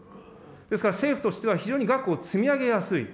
ですから、政府としては非常に額を積み上げやすい。